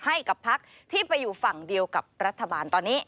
ให้กับพักที่ไปอยู่ฝั่งเดียวกับรัฐบาลตอนนี้